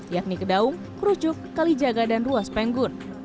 yakni kedaung krujuk kalijaga dan ruas penggun